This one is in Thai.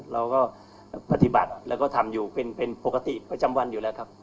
เราก็ปฏิบัติแล้วก็ทำอยู่เป็นปกติประจำวันอยู่แล้วครับ